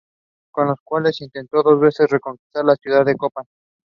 Silver Cloud was returned to race on the West Coast during the winter months.